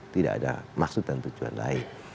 tidak ada maksud dan tujuan lain